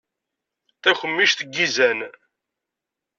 Takemmict n yizan.